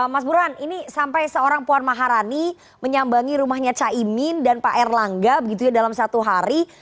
mas burhan ini sampai seorang puan maharani menyambangi rumahnya caimin dan pak erlangga begitu ya dalam satu hari